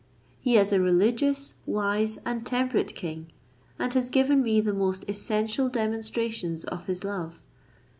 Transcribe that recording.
He is a religious, wise, and temperate king, and has given me the most essential demonstrations of his love.